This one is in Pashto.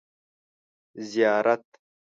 ـ زیارت.